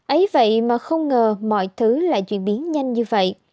ấy vậy mà không ngờ mọi thứ lại chuyển biến nhanh như vậy